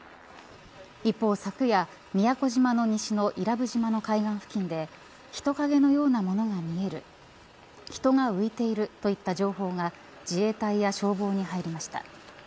一方、昨夜宮古島の西の伊良部島の海岸付近で人影のようなものが見える人が浮いているといった情報が自衛隊や消防に入りました。